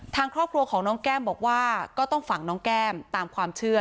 ทางครอบครัวของน้องแก้มบอกว่าก็ต้องฝังน้องแก้มตามความเชื่อ